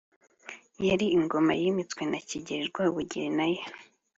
yari ingoma yimitswe na kigeri iv rwabugiri nayo,